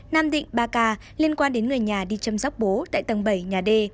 nam tỉnh ba ca liên quan đến người nhà đi chăm sóc bố tại tầng bảy nhà d